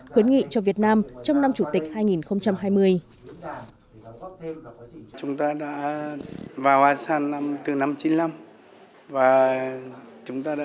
khuyến nghị cho việt nam trong năm chủ tịch hai nghìn hai mươi